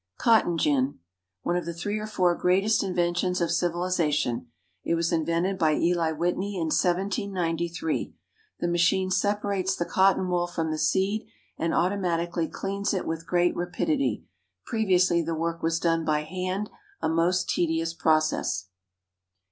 =Cotton Gin.= One of the three or four greatest inventions of civilization. It was invented by Eli Whitney in 1793. The machine separates the cotton wool from the seed, and automatically cleans it with great rapidity. Previously, the work was done by hand, a most tedious process.